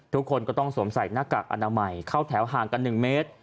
ทุกคนก็ต้องสวมใส่หน้ากากอนามัยเข้าแถวห่างกัน๑เมตร